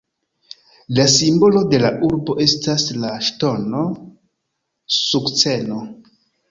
La simbolo de la urbo estas la ŝtono sukceno.